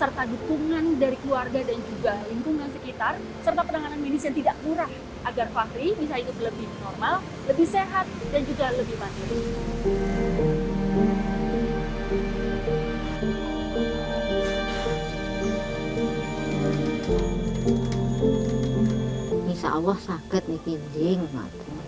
meski osteogenesis belum bisa disembuhkan